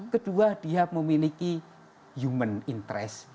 kedua dia memiliki human interest